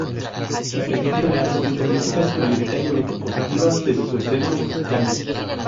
La película ha recibido críticas mayoritariamente positivas desde su estreno en Cannes.